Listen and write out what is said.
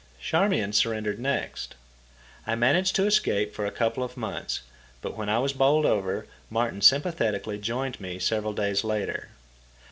Charmian surrendered next. I managed to escape for a couple of months; but when I was bowled over, Martin sympathetically joined me several days later.